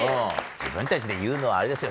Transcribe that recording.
自分たちで言うのはあれですよ